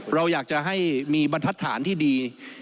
เราอยากจะให้มีบรรทัศนที่ดี